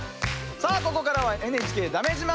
さあここからは「ＮＨＫだめ自慢」